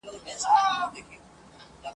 وطن به هلته سور او زرغون سي !.